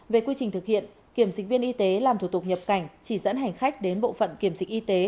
về quy trình thực hiện kiểm dịch viên y tế làm thủ tục nhập cảnh chỉ dẫn hành khách đến bộ phận kiểm dịch y tế